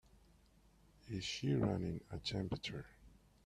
Is she running a temperature?